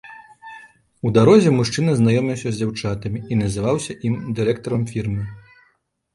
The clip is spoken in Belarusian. У дарозе мужчына знаёміўся з дзяўчатамі і называўся ім дырэктарам фірмы.